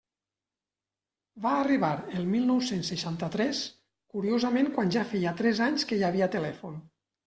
Va arribar el mil nou-cents seixanta-tres, curiosament quan ja feia tres anys que hi havia telèfon.